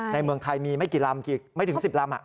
ในเมืองไทยมีไม่กี่ลำไม่ถึง๑๐ลำ